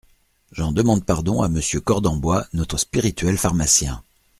J’en demande pardon à Monsieur Cordenbois, notre spirituel pharmacien…